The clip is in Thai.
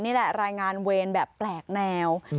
นี่แหละรายงานเวรแบบแปลกแนว